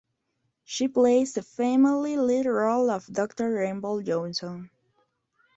She plays the female lead role of Doctor Rainbow Johnson.